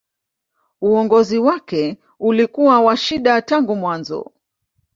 Uongozi wake ulikuwa wa shida tangu mwanzo.